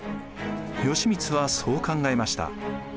義満はそう考えました。